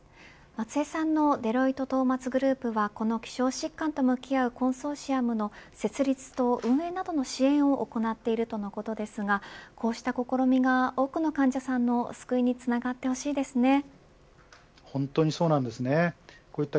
松江さんのデロイトトーマツグループはこの希少疾患と向き合うコンソーシアムの設立と運営などの支援を行っているとのことですがこうした試みが多くの患者さんの救いに本当にそうだと思います。